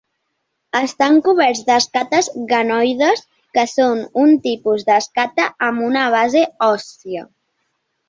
Estan coberts d'escates ganoides, que són un tipus d'escata amb una base òssia.